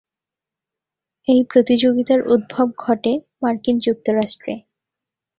এই প্রতিযোগিতার উদ্ভব ঘটে মার্কিন যুক্তরাষ্ট্রে।